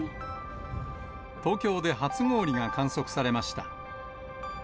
東京で初氷が観測されました。